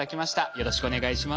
よろしくお願いします。